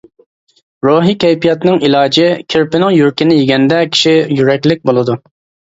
روھىي كەيپىياتنىڭ ئىلاجى: كىرپىنىڭ يۈرىكىنى يېگەندە، كىشى يۈرەكلىك بولىدۇ.